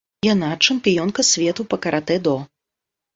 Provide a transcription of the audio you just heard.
Яна чэмпіёнка свету па каратэ-до.